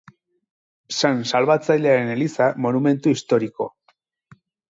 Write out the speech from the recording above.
San Salbatzailearen eliza, monumentu historiko.